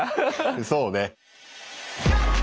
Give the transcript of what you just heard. そうね。